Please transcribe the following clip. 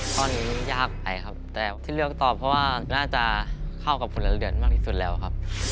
ข้อนี้ยากไปครับแต่ที่เลือกตอบเพราะว่าน่าจะเข้ากับผลเหรียญมากที่สุดแล้วครับ